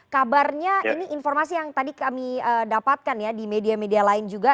kabarnya ini informasi yang tadi kami dapatkan ya di media media lain juga